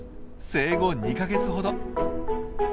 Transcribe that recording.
生後２か月ほど。